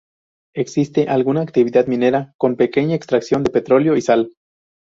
Existe alguna actividad minera con pequeña extracción de petróleo y sal.